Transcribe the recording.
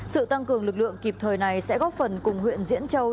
sự tăng cường lực lượng kịp thời này sẽ góp phần cùng huyện diễn châu